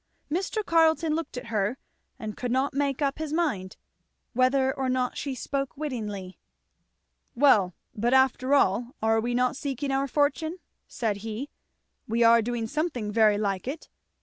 Mr. Carleton looked at her and could not make up his mind! whether or not she spoke wittingly. "Well, but after all are we not seeking our fortune?" said he. "We are doing something very like it.